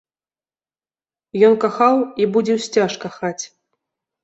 Ён кахаў і будзе ўсцяж кахаць.